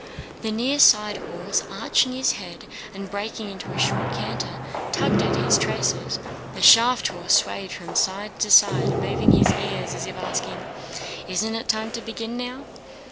The near side horse, arching his head and breaking into a short canter, tugged at his traces. The shaft horse swayed from side to side, moving his ears as if asking: "Isn't it time to begin now?"